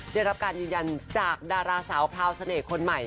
ได้รับการยืนยันจากดาราสาวพราวเสน่ห์คนใหม่